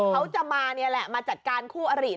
เขาจะมานี่แหละมาจัดการคู่อริ